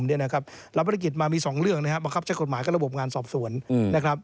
รับภารกิจมามี๒เรื่องนะครับบังคับใช้กฎหมายกับระบบงานสอบสวนนะครับ